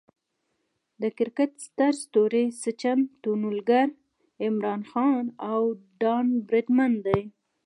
د کرکټ ستر ستوري سچن ټندولکر، عمران خان، او ډان براډمن دي.